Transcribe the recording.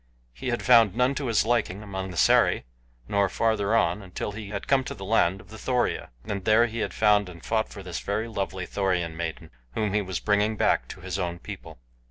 He had found none to his liking among the Sari, nor farther on until he had come to the land of the Thoria, and there he had found and fought for this very lovely Thorian maiden whom he was bringing back to his own people.